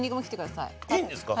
いいんですか？